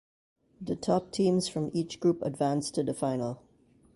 The top teams from each group advanced to the final.